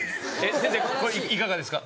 先生これいかがですか？